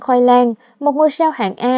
khoai lang một ngôi rau hạng a